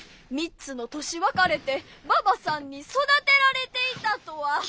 三つの年別れてばばさんに育てられていたとは。